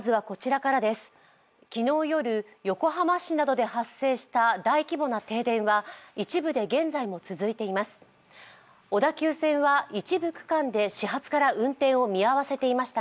昨日夜、横浜市などで発生した大規模な停電は一部で現在も続いています。